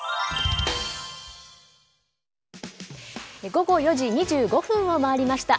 午後４時２５分を回りました。